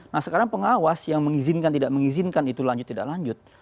nah sekarang pengawas yang mengizinkan tidak mengizinkan itu lanjut tidak lanjut